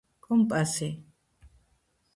კომპასი